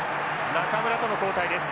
中村との交代です。